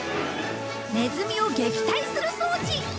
ネズミを撃退する装置！